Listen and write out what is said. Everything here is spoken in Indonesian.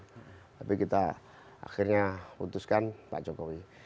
tapi kita akhirnya putuskan pak jokowi